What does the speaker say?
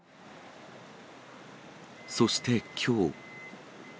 そしてきょう。